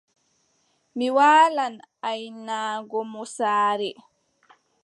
Mi waalan aynango mo saare.